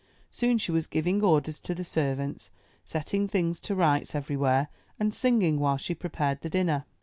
Soon she was giving orders to the servants, setting things to rights everywhere and singing while she prepared the dinner.